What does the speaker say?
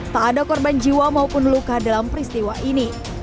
tak ada korban jiwa maupun luka dalam peristiwa ini